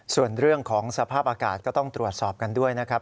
ส่วนเรื่องของสภาพอากาศก็ต้องตรวจสอบกันด้วยนะครับ